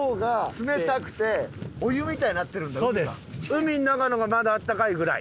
海の中の方がまだあったかいぐらい？